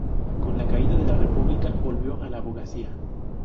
Con la caída de la República, volvió a la abogacía.